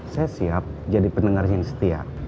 saya siap jadi pendengar yang setia